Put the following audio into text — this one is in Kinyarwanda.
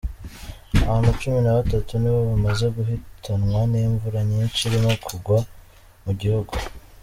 Abantu cumi nabatatu ni bo bamaze guhitanwa n’imvura nyinshi irimo kugwa mu gihugu